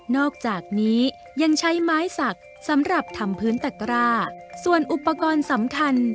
อกจากนี้ยังใช้ไม้สักสำหรับทำพื้นตะกร้าส่วนอุปกรณ์สำคัญ